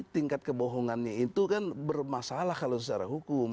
tingkat kebohongannya itu kan bermasalah kalau secara hukum